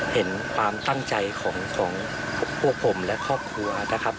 เห็นความตั้งใจของพวกผมและครอบครัวนะครับ